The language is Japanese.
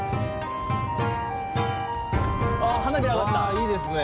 いいですね。